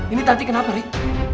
ini tanti kenapa rik